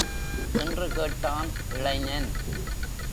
என்று கேட்டான் இளைஞன்.